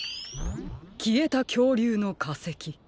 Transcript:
きえたきょうりゅうのかせき。